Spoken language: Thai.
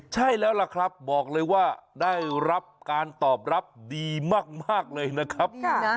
ใช่แล้วล่ะครับบอกเลยว่าได้รับการตอบรับดีมากเลยนะครับ